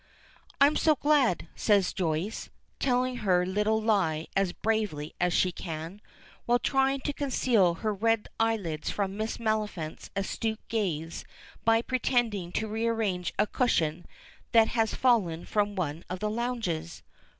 "I'm so glad," says Joyce, telling her little lie as bravely as she can, while trying to conceal her red eyelids from Miss Maliphant's astute gaze by pretending to rearrange a cushion that has fallen from one of the lounges.